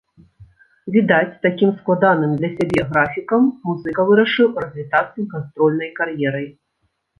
Відаць, такім складаным для сябе графікам музыка вырашыў развітацца з гастрольнай кар'ерай.